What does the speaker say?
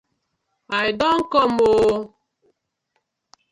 I don kom oo!!